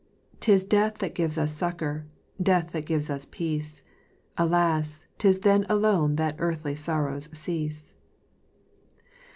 'Tis death that gives us succor, death that gives us peace I Alas I 'tis then alone that earthly sorrows cease